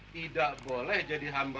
tidak boleh jadi hambatan